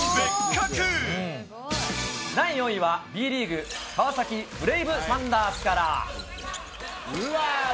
第４位はＢリーグ・川崎ブレイブサンダースから。